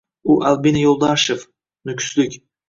Bu Albina Yo'ldoshev, nukuslik